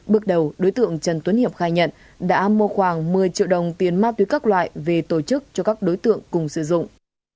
bước đầu đối tượng trần tuấn hiệp khai nhận đã mua khoảng một mươi triệu đồng tiền ma túy các loại về tổ chức cho các đối tượng cùng sử dụng